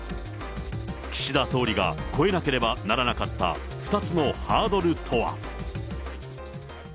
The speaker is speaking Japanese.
岸田総理が越えなければならなかった２つのハードルとは。